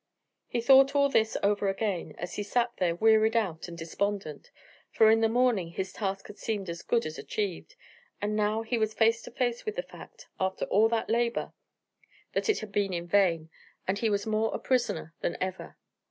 He thought all this over again, as he sat there wearied out and despondent, for in the morning his task had seemed as good as achieved, and now he was face to face with the fact, after all that labour, that it had been in vain, and he was more a prisoner than ever.